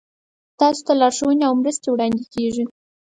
تاسو ته لارښوونې او مرستې وړاندې کیږي.